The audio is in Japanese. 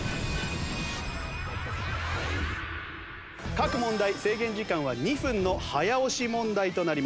各問題制限時間は２分の早押し問題となります。